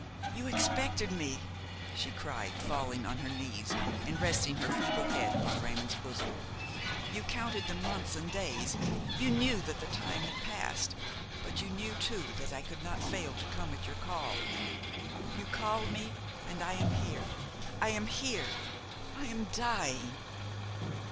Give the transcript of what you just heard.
"You expected me!" she cried, falling on her knees and resting her feeble head upon Raymon's bosom; "you counted the months and days, you knew that the time had passed, but you knew too that I could not fail to come at your call. You called me and I am here, I am here! I am dying!"